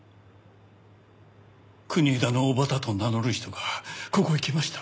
国枝の叔母だと名乗る人がここへ来ました。